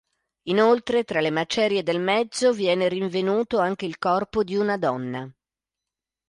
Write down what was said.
Inoltre tra le macerie del mezzo viene rinvenuto anche il corpo di una donna.